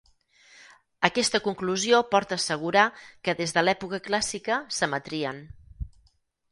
Aquesta conclusió porta a assegurar que des de l'època clàssica s'emetrien.